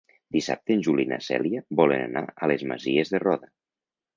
Dissabte en Juli i na Cèlia volen anar a les Masies de Roda.